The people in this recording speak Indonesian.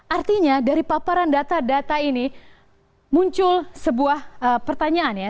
artinya dari paparan data data ini muncul sebuah pertanyaan ya